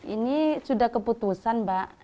ini sudah keputusan mbak